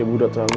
ibu mengurus kamu